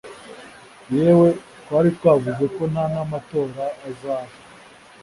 yewe twari twavuze ko nta n'amatora azaba